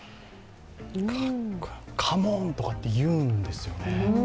カモン！とかって言うんですよね